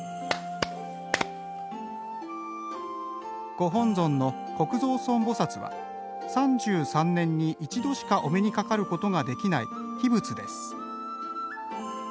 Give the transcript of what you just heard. ご本尊の虚空蔵尊菩薩は３３年に１度しかお目にかかることができない秘仏です。